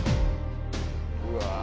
うわ。